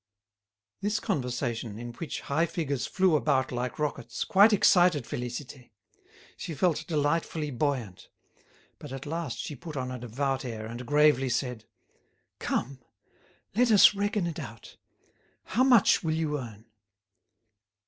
'" This conversation, in which high figures flew about like rockets, quite excited Félicité. She felt delightfully buoyant. But at last she put on a devout air, and gravely said: "Come, let us reckon it out. How much will you earn?"